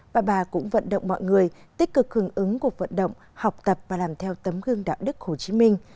và bà cũng vận động mọi người tích cực hưởng ứng cuộc vận động học tập và làm theo tấm gương đạo đức hồ chí minh